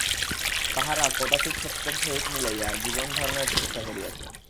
তাঁহারা কদাচিৎ সত্যের সহিত মিলাইয়া জীবন-ধারণের চেষ্টা করিয়াছেন।